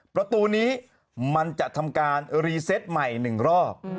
ประตูนี้มันจะทำการรีเซตใหม่๑รอบ